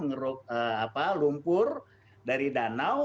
ngeruk lumpur dari danau